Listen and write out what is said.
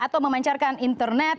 atau memancarkan internet